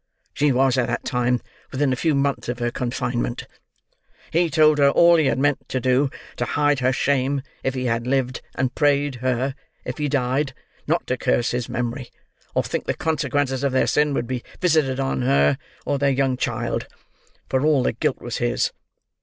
She was, at that time, within a few months of her confinement. He told her all he had meant to do, to hide her shame, if he had lived, and prayed her, if he died, not to curse his memory, or think the consequences of their sin would be visited on her or their young child; for all the guilt was his.